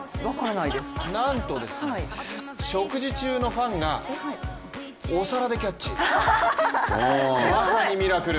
なんと食事中のファンがお皿でキャッチ、まさにミラクル。